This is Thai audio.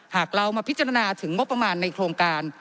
หากเรามาพิจารณาถึงงบประมาณในโครงการ